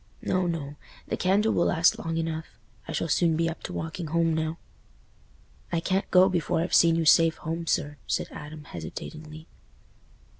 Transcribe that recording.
"No, no; the candle will last long enough—I shall soon be up to walking home now." "I can't go before I've seen you safe home, sir," said Adam, hesitatingly.